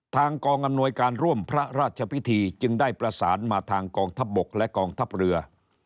กองอำนวยการร่วมพระราชพิธีจึงได้ประสานมาทางกองทัพบกและกองทัพเรือ